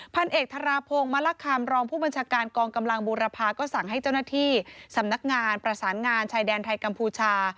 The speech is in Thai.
พันเอกธราพงศ์มะละคำรองผู้บัญชาการกองกำลังบูรพาก็สั่งให้เจ้าหน้าที่สำนักงานประสานงานชายแดนไทยกัมพูชา